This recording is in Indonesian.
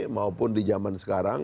maupun di zaman sekarang